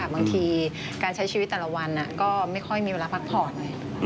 บางทีการใช้ชีวิตแต่ละวันก็ไม่ค่อยมีเวลาพักผ่อน